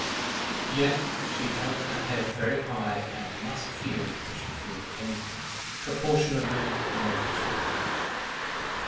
Yet she held her head very high, and must feel (if she feels any thing) proportionably mortified.